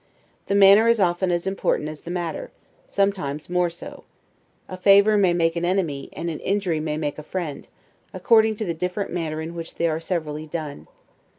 The manner is often as important as the matter, sometimes more so; a favor may make an enemy, and an injury may make a friend, according to the different manner in which they are severally done.